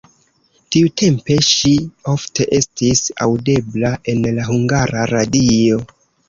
Tiutempe ŝi ofte estis aŭdebla en la Hungara Radio.